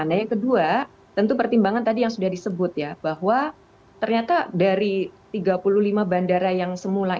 nah yang kedua tentu pertimbangan tadi yang sudah disebut ya bahwa ternyata dari tiga puluh lima bandara yang semula